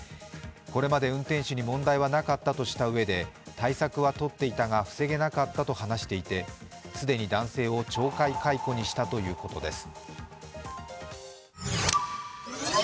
これまで運転手に問題はなかったとしたうえで対策はとっていたが防げなかったと話していて既に男性を懲戒解雇にしたということです。